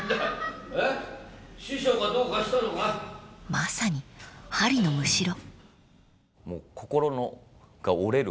［まさに針のむしろ］